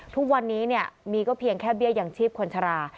ทุกวันนี้มีก็เพียงแค่เบี้ยอย่างชีพคนชรา